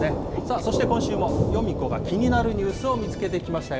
そして今週もヨミ子が気になるニュースを見つけてきましたよ。